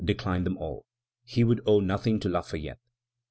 declined them all. He would owe nothing to Lafayette.